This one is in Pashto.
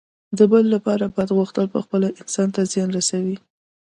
د بل لپاره بد غوښتل پخپله انسان ته زیان رسوي.